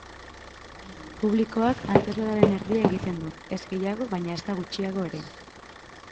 Publikoak antzezlanaren erdia egiten du, ez gehiago baina ezta gutxiago ere.